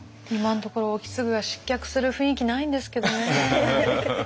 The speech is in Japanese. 今のところ意次が失脚する雰囲気ないんですけどね。